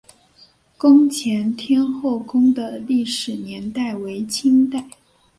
宫前天后宫的历史年代为清代。